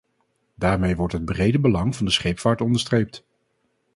Daarmee wordt het brede belang van de scheepvaart onderstreept.